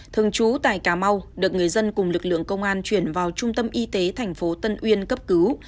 thường trú tại cà mau được người dân cùng lực lượng công an chuyển vào trung tâm y tế thành phố tân uyên cấp cứu